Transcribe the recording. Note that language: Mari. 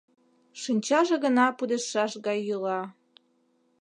Шинчаже гына пудештшаш гай йӱла.